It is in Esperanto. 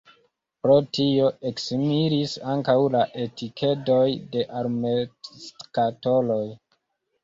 Pro tio eksimilis ankaŭ la etikedoj de alumetskatoloj.